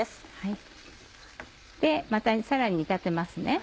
またさらに煮立てますね。